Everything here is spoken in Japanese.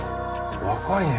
若いね